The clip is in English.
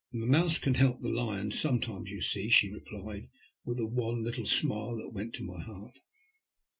*' The mouse can help the lion sometimes, you see," she replied, with a wan Httle smile that went to my heart.